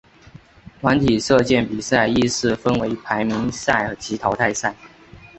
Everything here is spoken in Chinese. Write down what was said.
团体射箭比赛亦是分为排名赛及淘汰赛。